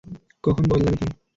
কখন বদলাবী তুই?